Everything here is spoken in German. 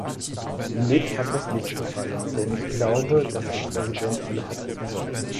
Mit hat das nicht gefallen, denn ich glaube, dass ein Präsident alle vertreten sollte.